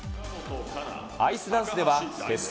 アイスダンスでは結成